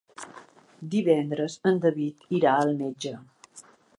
Divendres en David irà al metge.